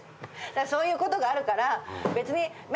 そういうことがあるから。